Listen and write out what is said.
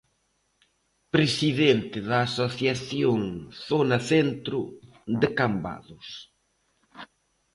Presidente da Asociación Zona Centro de Cambados.